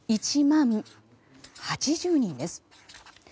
１万８０人です。